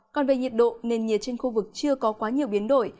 còn về nhiệt độ nền nhiệt trên khu vực chưa có quá nhiều biến đổi